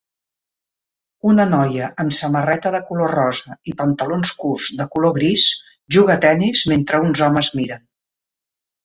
Una noia amb samarreta de color rosa i pantalons curts de color gris juga a tennis mentre uns homes miren.